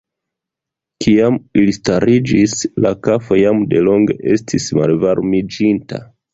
Kiam ili stariĝis, la kafo jam delonge estis malvarmiĝinta.